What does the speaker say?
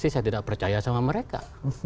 saya tidak percaya sama mereka